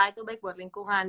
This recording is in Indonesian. itu baik buat lingkungan